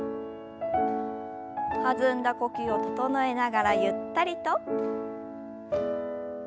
弾んだ呼吸を整えながらゆったりと。